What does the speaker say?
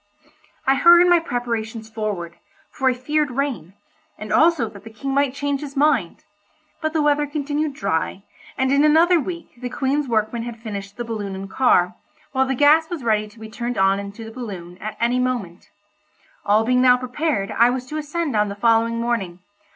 I hurried my preparations forward, for I feared rain, and also that the King might change his mind; but the weather continued dry, and in another week the Queen's workmen had finished the balloon and car, while the gas was ready to be turned on into the balloon at any moment. All being now prepared I was to ascend on the following morning.